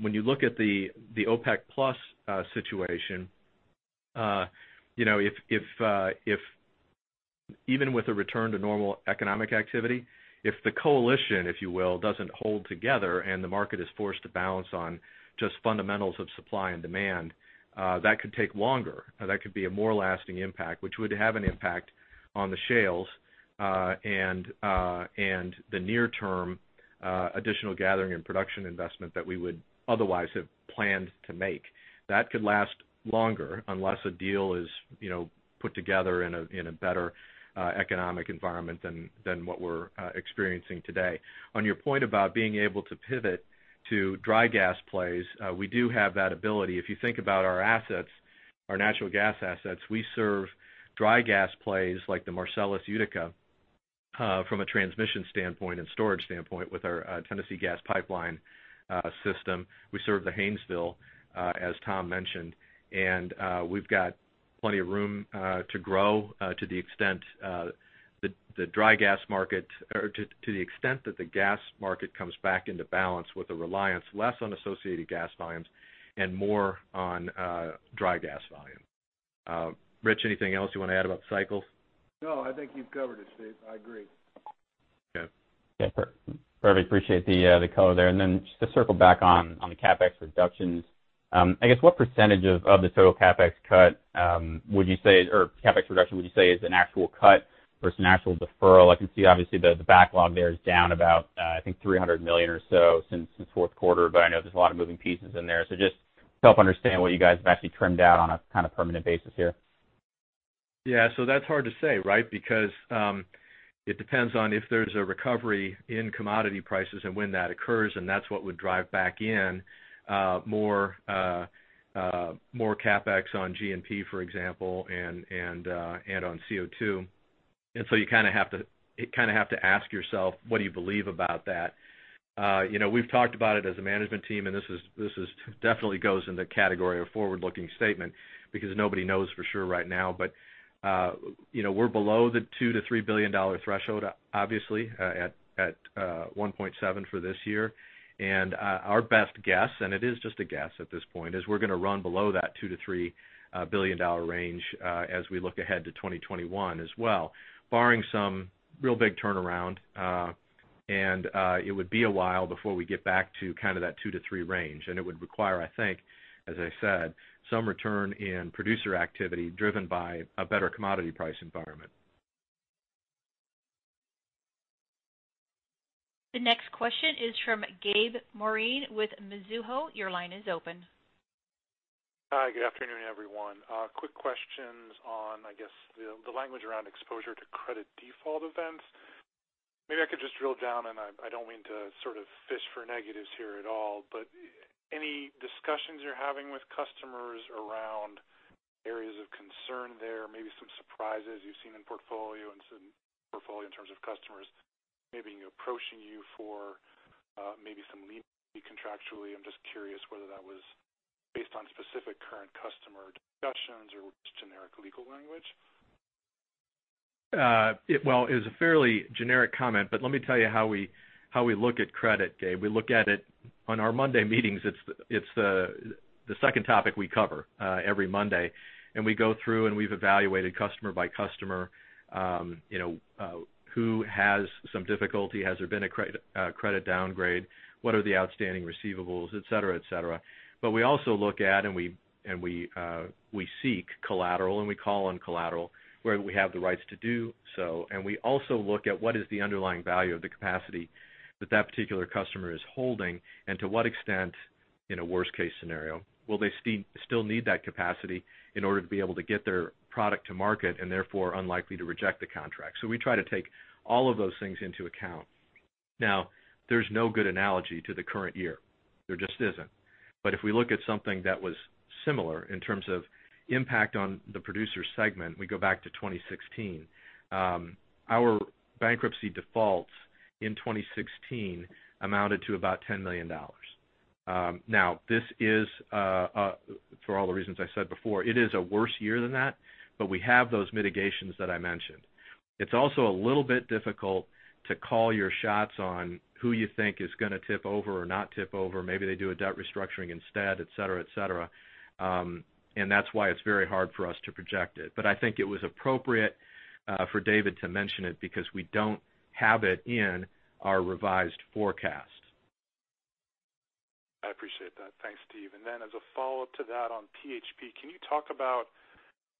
When you look at the OPEC plus situation, even with a return to normal economic activity, if the coalition, if you will, doesn't hold together and the market is forced to balance on just fundamentals of supply and demand, that could take longer. That could be a more lasting impact, which would have an impact on the shales, and the near-term additional gathering and production investment that we would otherwise have planned to make. That could last longer unless a deal is put together in a better economic environment than what we're experiencing today. On your point about being able to pivot to dry gas plays, we do have that ability. If you think about our assets, our natural gas assets, we serve dry gas plays like the Marcellus Utica from a transmission standpoint and storage standpoint with our Tennessee Gas Pipeline system. We serve the Haynesville, as Tom mentioned. We've got plenty of room to grow to the extent that the gas market comes back into balance with a reliance less on associated gas volumes and more on dry gas volume. Rich, anything else you want to add about cycles? No, I think you've covered it, Steve. I agree. Okay. Yeah, perfect. Appreciate the color there. Just to circle back on the CapEx reductions, I guess what % of the total CapEx cut would you say, or CapEx reduction would you say is an actual cut versus an actual deferral? I can see obviously the backlog there is down about I think $300 million or so since fourth quarter, but I know there's a lot of moving pieces in there. Just to help understand what you guys have actually trimmed down on a kind of permanent basis here. That's hard to say, right? Because it depends on if there's a recovery in commodity prices and when that occurs, and that's what would drive back in more CapEx on G&P, for example, and on CO2. You kind of have to ask yourself, what do you believe about that? We've talked about it as a management team, and this definitely goes in the category of forward-looking statement because nobody knows for sure right now. We're below the $2 billion-$3 billion threshold, obviously, at $1.7 billion for this year. Our best guess, and it is just a guess at this point, is we're going to run below that $2 billion-$3 billion range as we look ahead to 2021 as well, barring some real big turnaround. It would be a while before we get back to that $2 billion-$3 billion range. It would require, I think, as I said, some return in producer activity driven by a better commodity price environment. The next question is from Gabe Moreen with Mizuho. Your line is open. Hi, good afternoon, everyone. Quick questions on, I guess, the language around exposure to credit default events. Maybe I could just drill down, and I don't mean to sort of fish for negatives here at all, but any discussions you're having with customers around areas of concern there, maybe some surprises you've seen in portfolio in terms of customers maybe approaching you for maybe some leeway contractually? I'm just curious whether that was based on specific current customer discussions or just generic legal language? It was a fairly generic comment, let me tell you how we look at credit, Gabe. We look at it on our Monday meetings. It's the second topic we cover every Monday, and we go through, and we've evaluated customer by customer who has some difficulty. Has there been a credit downgrade? What are the outstanding receivables, et cetera. We also look at, and we seek collateral, and we call on collateral where we have the rights to do so. We also look at what is the underlying value of the capacity that that particular customer is holding, and to what extent, in a worst-case scenario, will they still need that capacity in order to be able to get their product to market, and therefore unlikely to reject the contract. We try to take all of those things into account. Now, there's no good analogy to the current year. There just isn't. If we look at something that was similar in terms of impact on the producer segment, we go back to 2016. Our bankruptcy defaults in 2016 amounted to about $10 million. Now, for all the reasons I said before, it is a worse year than that, but we have those mitigations that I mentioned. It's also a little bit difficult to call your shots on who you think is going to tip over or not tip over. Maybe they do a debt restructuring instead, et cetera. That's why it's very hard for us to project it. I think it was appropriate for David to mention it because we don't have it in our revised forecast. I appreciate that. Thanks, Steve. Then as a follow-up to that on PHP, can you talk about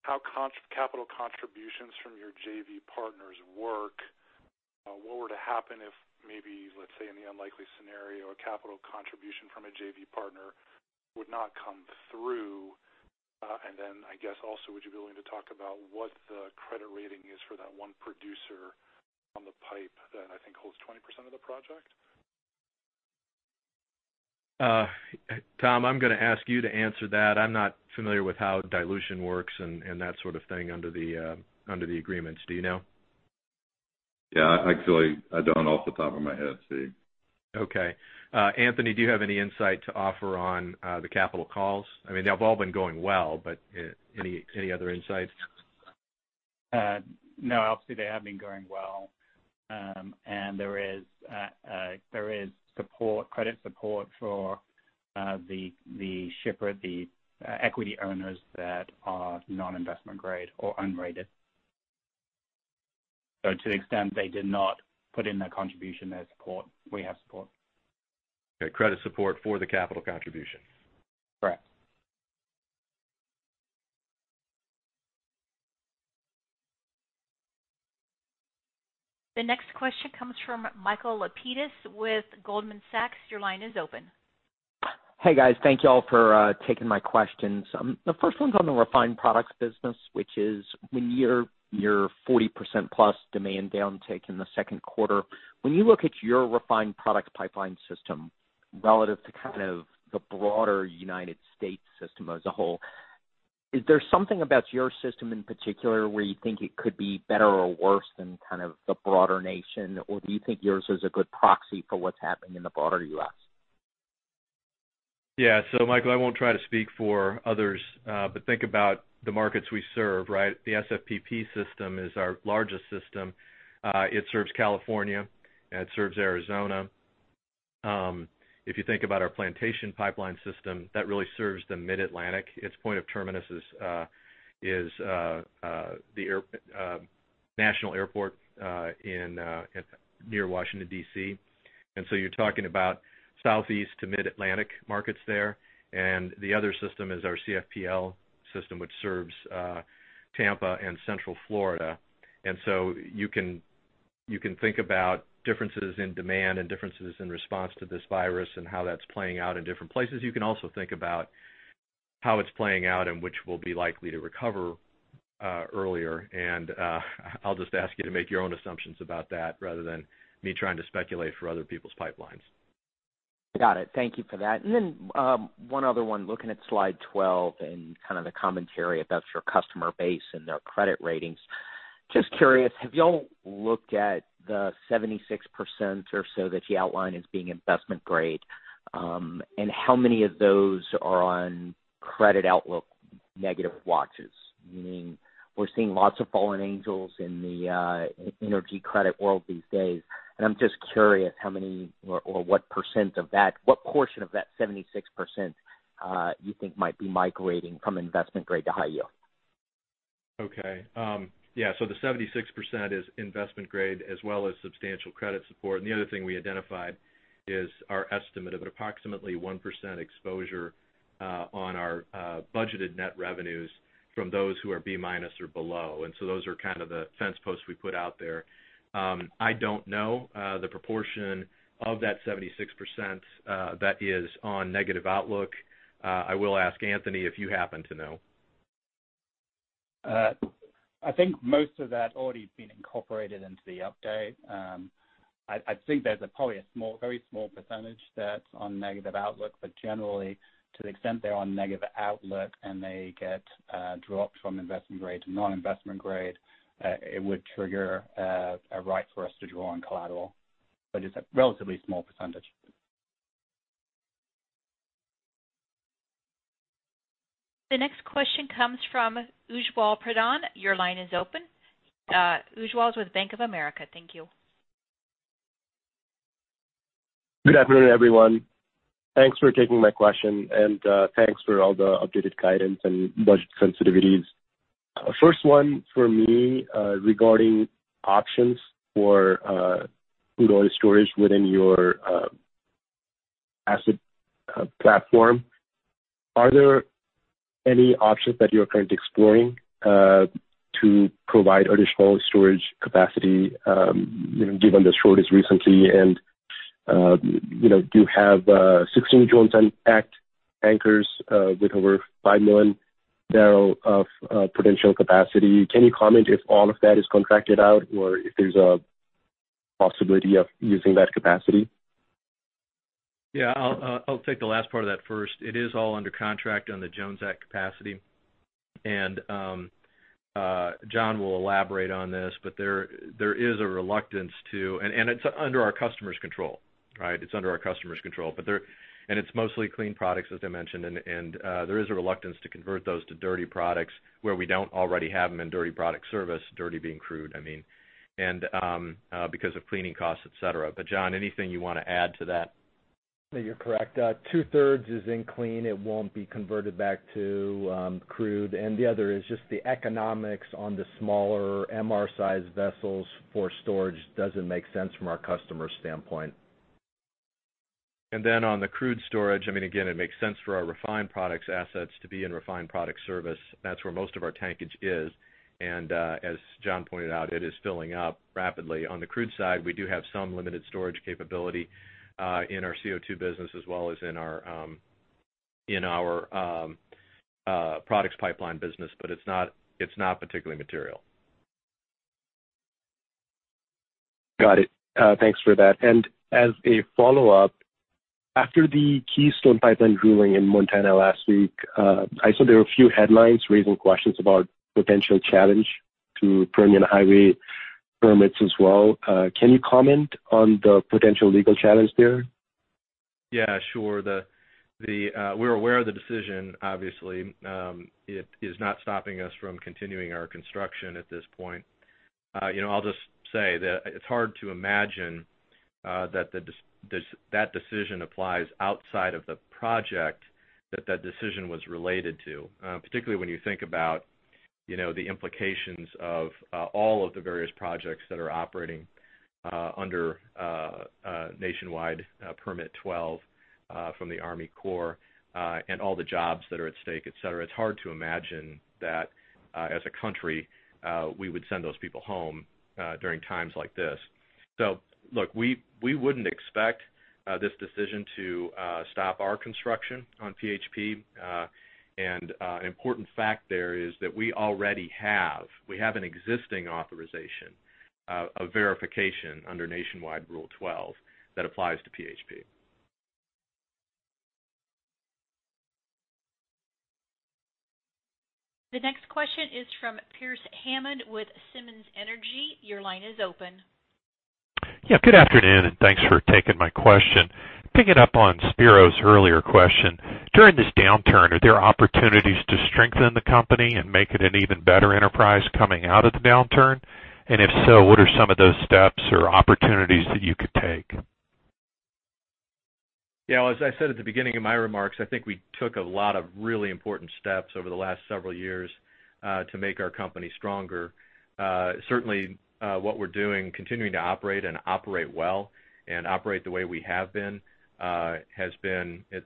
how capital contributions from your JV partners work? What were to happen if maybe, let's say, in the unlikely scenario, a capital contribution from a JV partner would not come through? Then, I guess also, would you be willing to talk about what the credit rating is for that one producer on the pipe that I think holds 20% of the project? Tom, I'm going to ask you to answer that. I'm not familiar with how dilution works and that sort of thing under the agreements. Do you know? Yeah. Actually, I don't off the top of my head, Steve. Okay. Anthony, do you have any insight to offer on the capital calls? I mean, they've all been going well, but any other insights? No, obviously, they have been going well. There is credit support for the shipper, the equity owners that are non-investment grade or unrated. To the extent they did not put in their contribution, their support, we have support. Okay. Credit support for the capital contribution. Correct. The next question comes from Michael Lapides with Goldman Sachs. Your line is open. Hey, guys. Thank you all for taking my questions. The first one's on the refined products business, which is when your 40%+ demand downtick in the second quarter. When you look at your refined product pipeline system relative to kind of the broader U.S. system as a whole, is there something about your system in particular where you think it could be better or worse than kind of the broader nation? Do you think yours is a good proxy for what's happening in the broader U.S.? Yeah. Michael, I won't try to speak for others, but think about the markets we serve, right? The SFPP system is our largest system. It serves California, and it serves Arizona. If you think about our Plantation Pipeline system, that really serves the Mid-Atlantic. Its point of terminus is the national airport near Washington, D.C. You're talking about Southeast to Mid-Atlantic markets there, and the other system is our CFPL system, which serves Tampa and Central Florida. You can think about differences in demand and differences in response to this virus and how that's playing out in different places. You can also think about how it's playing out and which will be likely to recover earlier. I'll just ask you to make your own assumptions about that rather than me trying to speculate for other people's pipelines. Got it. Thank you for that. One other one, looking at slide 12 and kind of the commentary about your customer base and their credit ratings. Just curious, have you all looked at the 76% or so that you outline as being investment-grade? How many of those are on credit outlook negative watches? Meaning we're seeing lots of fallen angels in the energy credit world these days, and I'm just curious how many or what percent of that, what portion of that 76%, you think might be migrating from investment-grade to high yield? Okay. The 76% is investment-grade as well as substantial credit support. The other thing we identified is our estimate of approximately 1% exposure on our budgeted net revenues from those who are B- or below. Those are kind of the fence posts we put out there. I don't know the proportion of that 76% that is on negative outlook. I will ask Anthony if you happen to know. I think most of that already been incorporated into the update. I think there's probably a very small percentage that's on negative outlook. Generally, to the extent they're on negative outlook and they get dropped from investment-grade to non-investment grade, it would trigger a right for us to draw on collateral. It's a relatively small percentage. The next question comes from Ujjwal Pradhan. Your line is open. Ujjwal is with Bank of America. Thank you. Good afternoon, everyone. Thanks for taking my question, and thanks for all the updated guidance and budget sensitivities. First one for me, regarding options for crude oil storage within your asset platform. Are there any options that you're currently exploring to provide additional storage capacity, given the shortage recently and, you know, do you have 16 Jones Act anchors with over 5 million bbl of potential capacity? Can you comment if all of that is contracted out or if there's a possibility of using that capacity? Yeah, I'll take the last part of that first. It is all under contract on the Jones Act capacity. John will elaborate on this, but there is a reluctance to. It's under our customer's control, right? It's under our customer's control. It's mostly clean products, as I mentioned, and there is a reluctance to convert those to dirty products where we don't already have them in dirty product service, dirty being crude, I mean. Because of cleaning costs, et cetera. John, anything you want to add to that? No, you're correct. Two-thirds is in clean. It won't be converted back to crude. The other is just the economics on the smaller MR-sized vessels for storage doesn't make sense from our customer standpoint. On the crude storage, I mean, again, it makes sense for our refined products assets to be in refined product service. That's where most of our tankage is, and as John pointed out, it is filling up rapidly. On the crude side, we do have some limited storage capability in our CO2 business as well as in our products pipeline business, but it's not particularly material. Got it. Thanks for that. As a follow-up, after the Keystone Pipeline ruling in Montana last week, I saw there were a few headlines raising questions about potential challenge to Permian Highway permits as well. Can you comment on the potential legal challenge there? Sure. We're aware of the decision, obviously. It is not stopping us from continuing our construction at this point. You know, I'll just say that it's hard to imagine that decision applies outside of the project that that decision was related to, particularly when you think about, you know, the implications of all of the various projects that are operating under Nationwide Permit 12 from the Army Corps, and all the jobs that are at stake, et cetera. It's hard to imagine that, as a country, we would send those people home during times like this. Look, we wouldn't expect this decision to stop our construction on PHP. An important fact there is that we have an existing authorization, a verification under Nationwide Permit 12 that applies to PHP. The next question is from Pearce Hammond with Simmons Energy. Your line is open. Good afternoon, and thanks for taking my question. Picking up on Spiro's earlier question. During this downturn, are there opportunities to strengthen the company and make it an even better enterprise coming out of the downturn? If so, what are some of those steps or opportunities that you could take? Yeah, as I said at the beginning of my remarks, I think we took a lot of really important steps over the last several years, to make our company stronger. Certainly, what we're doing, continuing to operate and operate well and operate the way we have been, it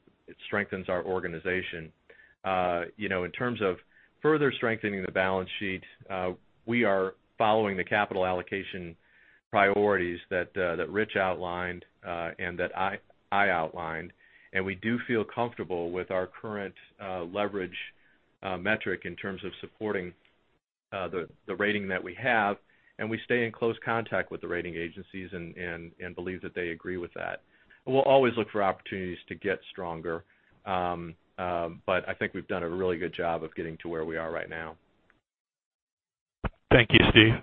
strengthens our organization. You know, in terms of further strengthening the balance sheet, we are following the capital allocation priorities that Rich outlined, and that I outlined, and we do feel comfortable with our current leverage metric in terms of supporting the rating that we have. We stay in close contact with the rating agencies and believe that they agree with that. We'll always look for opportunities to get stronger. I think we've done a really good job of getting to where we are right now. Thank you, Steve.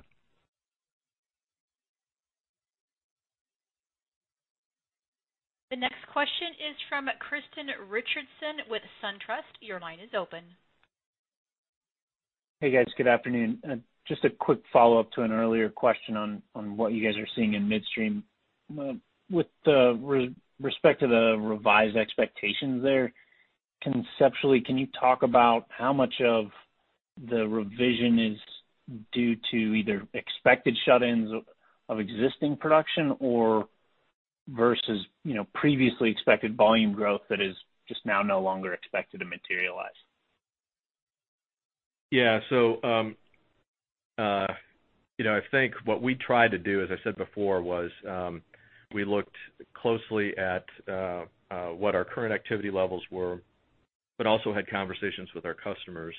The next question is from Tristan Richardson with SunTrust. Your line is open. Hey, guys. Good afternoon. Just a quick follow-up to an earlier question on what you guys are seeing in midstream. With respect to the revised expectations there, conceptually, can you talk about how much of the revision is due to either expected shut-ins of existing production or versus previously expected volume growth that is just now no longer expected to materialize? I think what we tried to do, as I said before, was we looked closely at what our current activity levels were, but also had conversations with our customers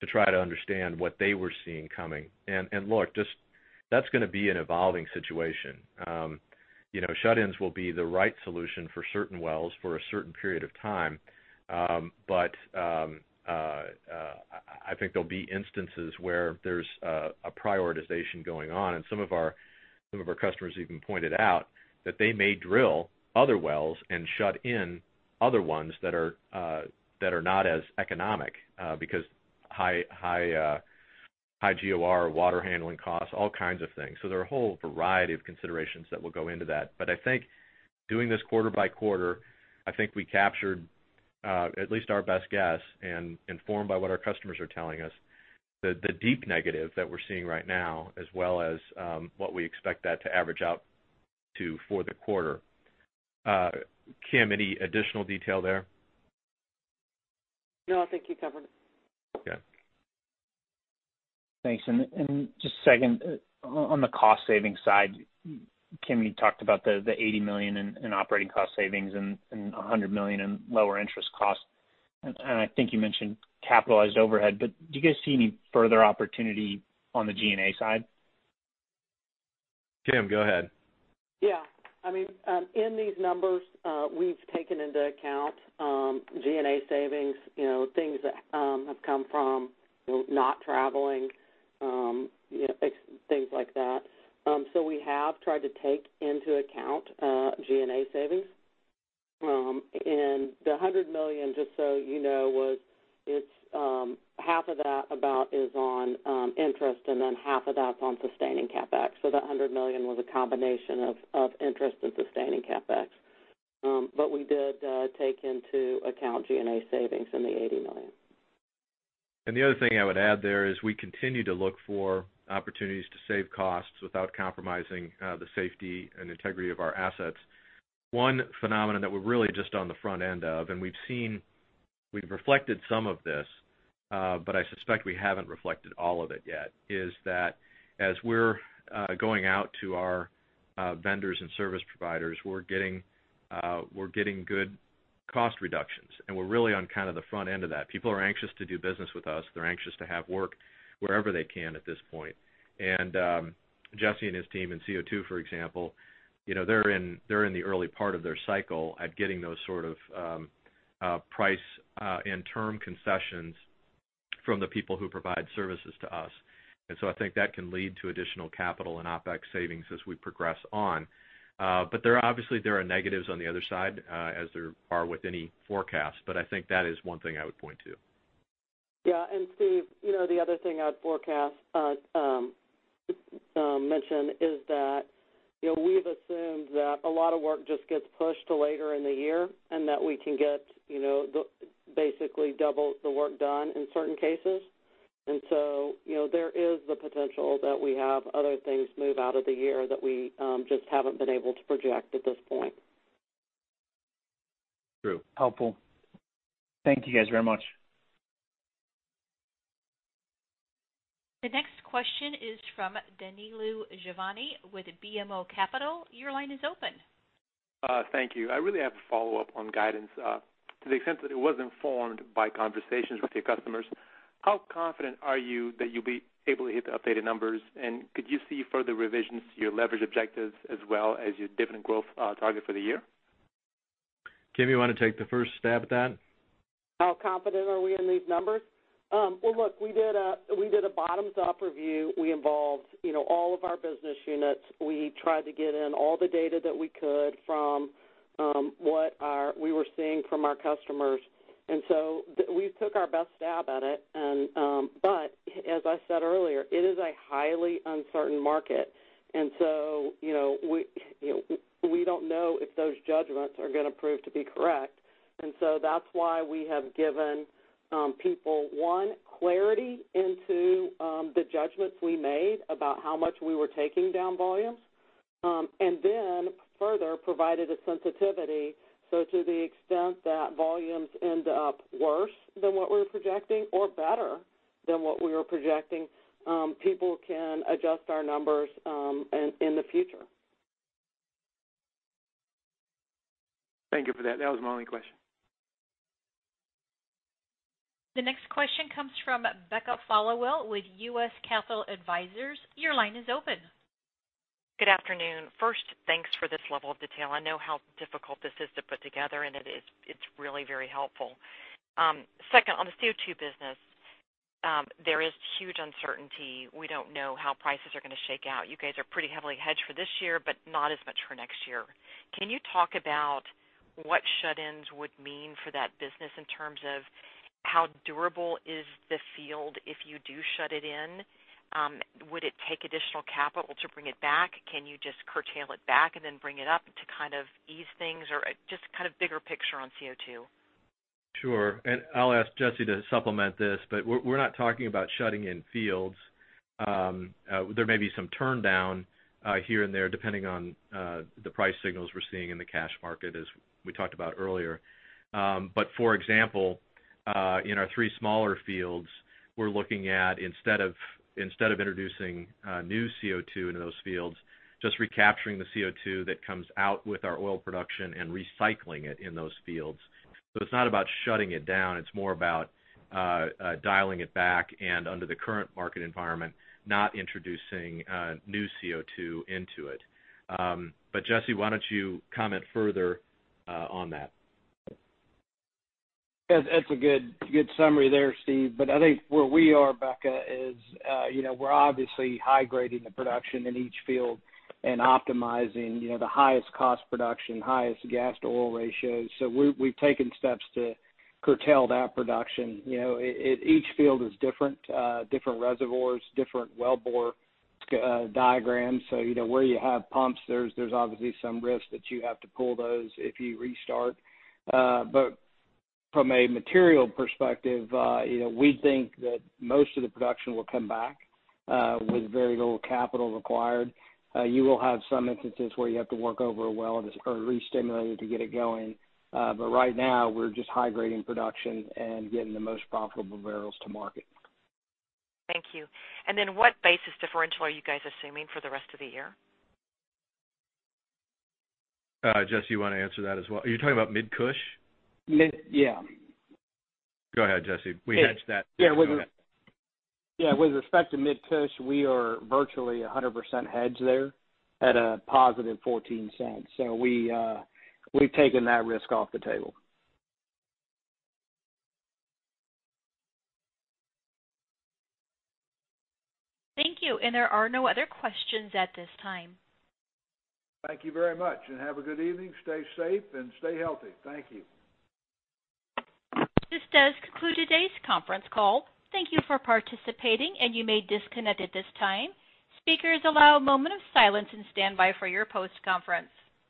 to try to understand what they were seeing coming. Look, that's going to be an evolving situation. Shut-ins will be the right solution for certain wells for a certain period of time. I think there'll be instances where there's a prioritization going on. Some of our customers even pointed out that they may drill other wells and shut in other ones that are not as economic because high GOR, water handling costs, all kinds of things. There are a whole variety of considerations that will go into that. I think doing this quarter by quarter, I think we captured at least our best guess and informed by what our customers are telling us, the deep negative that we're seeing right now, as well as what we expect that to average out to for the quarter. Kim, any additional detail there? No, I think you covered it. Okay. Thanks. Just second, on the cost-saving side, Kim, you talked about the $80 million in operating cost savings and $100 million in lower interest costs. I think you mentioned capitalized overhead, do you guys see any further opportunity on the G&A side? Kim, go ahead. Yeah. In these numbers, we've taken into account G&A savings, things that have come from not traveling, things like that. We have tried to take into account G&A savings. The $100 million, just so you know, half of that about is on interest, and then half of that's on sustaining CapEx. That $100 million was a combination of interest and sustaining CapEx. We did take into account G&A savings in the $80 million. The other thing I would add there is we continue to look for opportunities to save costs without compromising the safety and integrity of our assets. One phenomenon that we're really just on the front end of, and we've reflected some of this, but I suspect we haven't reflected all of it yet, is that as we're going out to our vendors and service providers, we're getting good cost reductions, and we're really on kind of the front end of that. People are anxious to do business with us. They're anxious to have work wherever they can at this point. Jesse and his team in CO2, for example, they're in the early part of their cycle at getting those sort of price and term concessions from the people who provide services to us. I think that can lead to additional CapEx and OpEx savings as we progress on. Obviously, there are negatives on the other side as there are with any forecast. I think that is one thing I would point to. Yeah. Steve, the other thing I'd mention is that we've assumed that a lot of work just gets pushed to later in the year and that we can get basically double the work done in certain cases. There is the potential that we have other things move out of the year that we just haven't been able to project at this point. True. Helpful. Thank you guys very much. The next question is from Danilo Juvane with BMO Capital. Your line is open. Thank you. I really have a follow-up on guidance. To the extent that it was informed by conversations with your customers, how confident are you that you'll be able to hit the updated numbers? Could you see further revisions to your leverage objectives as well as your dividend growth target for the year? Kim, you want to take the first stab at that? How confident are we in these numbers? Well, look, we did a bottoms-up review. We involved all of our business units. We tried to get in all the data that we could from what we were seeing from our customers. We took our best stab at it. As I said earlier, it is a highly uncertain market. We don't know if those judgments are going to prove to be correct. That's why we have given people, one, clarity into the judgments we made about how much we were taking down volumes. Further provided a sensitivity. To the extent that volumes end up worse than what we're projecting or better than what we were projecting, people can adjust our numbers in the future. Thank you for that. That was my only question. The next question comes from Becca Followill with U.S. Capital Advisors. Your line is open. Good afternoon. First, thanks for this level of detail. I know how difficult this is to put together, and it's really very helpful. Second, on the CO2 business, there is huge uncertainty. We don't know how prices are going to shake out. You guys are pretty heavily hedged for this year, but not as much for next year. Can you talk about what shut-ins would mean for that business in terms of how durable is the field if you do shut it in? Would it take additional capital to bring it back? Can you just curtail it back and then bring it up to kind of ease things, or just kind of bigger picture on CO2? Sure. I'll ask Jesse to supplement this, but we're not talking about shutting in fields. There may be some turn down here and there, depending on the price signals we're seeing in the cash market, as we talked about earlier. For example, in our three smaller fields, we're looking at instead of introducing new CO2 into those fields, just recapturing the CO2 that comes out with our oil production and recycling it in those fields. It's not about shutting it down, it's more about dialing it back and under the current market environment, not introducing new CO2 into it. Jesse, why don't you comment further on that? That's a good summary there, Steve. I think where we are, Becca, is we're obviously high-grading the production in each field and optimizing the highest cost production, highest gas to oil ratios. We've taken steps to curtail that production. Each field is different reservoirs, different wellbore diagrams. Where you have pumps, there's obviously some risk that you have to pull those if you restart. From a material perspective, we think that most of the production will come back with very little capital required. You will have some instances where you have to work over a well or restimulate it to get it going. Right now, we're just high grading production and getting the most profitable barrels to market. Thank you. What basis differential are you guys assuming for the rest of the year? Jesse, you want to answer that as well? Are you talking about Mid-Cush? Yeah. Go ahead, Jesse. We hedged that. Go ahead. Yeah. With respect to Mid-Cush, we are virtually 100% hedged there at a positive $0.14. We've taken that risk off the table. Thank you. There are no other questions at this time. Thank you very much, and have a good evening. Stay safe and stay healthy. Thank you. This does conclude today's conference call. Thank you for participating, and you may disconnect at this time. Speakers, allow a moment of silence and standby for your post conference.